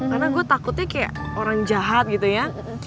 karena gue takutnya kayak orang jahat gitu ya